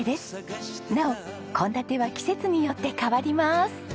なお献立は季節によって変わります。